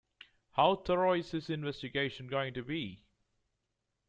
How thorough is this investigation going to be?